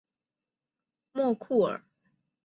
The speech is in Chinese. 莫库尔。